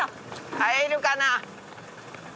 会えるかな？